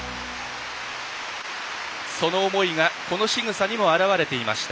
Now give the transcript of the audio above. その思いがしぐさにも表れていました。